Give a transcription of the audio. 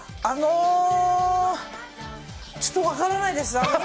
あのちょっと分からないです。